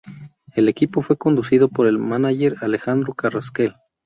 El equipo fue conducido por el mánager Alejandro Carrasquel.